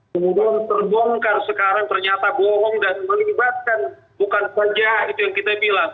kemudian terbongkar sekarang ternyata bohong dan melibatkan bukan saja itu yang kita bilang